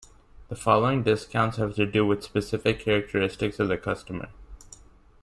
The following discounts have to do with specific characteristics of the customer.